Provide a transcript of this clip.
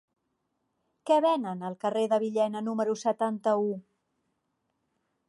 Què venen al carrer de Villena número setanta-u?